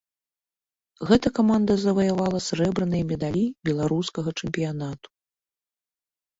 Гэта каманда заваявала срэбраныя медалі беларускага чэмпіянату.